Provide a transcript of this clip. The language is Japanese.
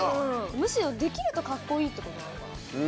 ・むしろできるとカッコいいってことなのかな？